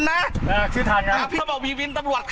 ที่